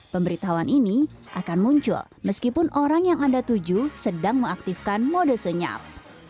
pemberitahuan ini akan muncul meskipun orang yang anda tuju sedang mengaktifkan mode senyap